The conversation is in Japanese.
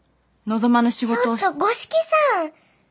ちょっと五色さん！